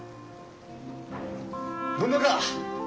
どんなか？